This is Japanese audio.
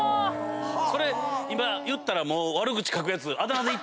それ今言ったらもう悪口書くやつ。